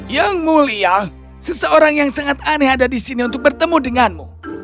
yang mulia seseorang yang sangat aneh ada di sini untuk bertemu denganmu